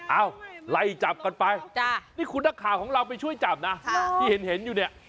ไล่จับกันไปนี่คุณนักข่าวของเราไปช่วยจับนะที่เห็นอยู่เนี่ย